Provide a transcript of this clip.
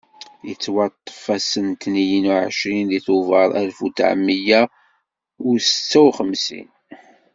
Yettwaṭṭef ass n tniyen uɛecrin deg tubeṛ Alef u ṭṭɛemya u setta u xemsin.